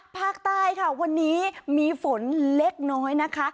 ภาคใต้ค่ะวันนี้มีฝนเล็กน้อยนะคะ